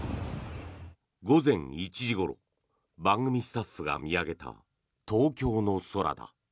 午前１時ごろ番組スタッフが見上げた東京の空だ。